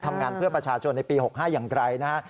ทำงานเพื่อประชาชนในปี๖๕อย่างไรนะฮะ